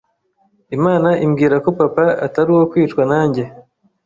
Imana imbwira ko papa Atari uwo kwicwa nanjye